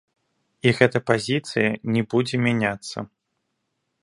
І гэта пазіцыя не будзе мяняцца.